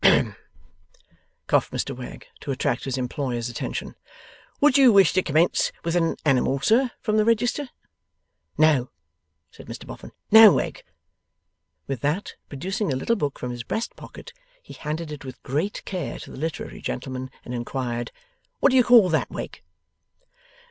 'Hem! Ahem!' coughed Mr Wegg to attract his employer's attention. 'Would you wish to commence with an Animal, sir from the Register?' 'No,' said Mr Boffin, 'no, Wegg.' With that, producing a little book from his breast pocket, he handed it with great care to the literary gentlemen, and inquired, 'What do you call that, Wegg?